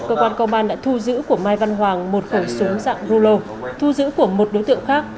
cơ quan công an đã thu giữ của mai văn hoàng một khẩu súng dạng rulo thu giữ của một đối tượng khác